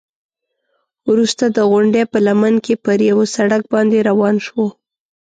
وروسته د غونډۍ په لمن کې پر یوه سړک باندې روان شوو.